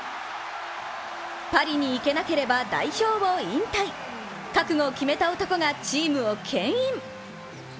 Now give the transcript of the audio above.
パリに行けなければ代表を引退、覚悟を決めた男がチームをけん引。